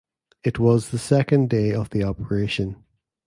It was the second day of the operation.